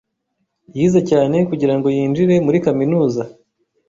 Yize cyane kugirango yinjire muri kaminuza.